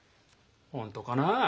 本当かなあ？